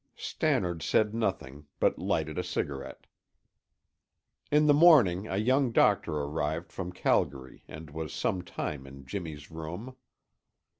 Stannard said nothing, but lighted a cigarette. In the morning a young doctor arrived from Calgary and was some time in Jimmy's room.